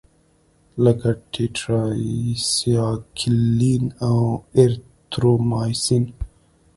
لکه ټیټرایسایکلین او اریترومایسین.